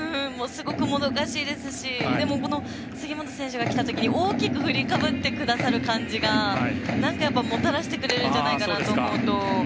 すごく、もどかしいですしでも、この杉本選手がきたとき大きく振りかぶってくださる感じが何かもたらしてくれるんじゃないかと思うと。